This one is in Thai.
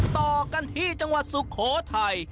ต่อกันที่จังหวัดสุโขทัย